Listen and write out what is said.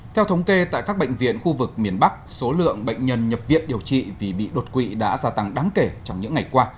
theo thống kê tại các bệnh viện khu vực miền bắc số lượng bệnh nhân nhập viện điều trị vì bị đột quỵ đã gia tăng đáng kể trong những ngày qua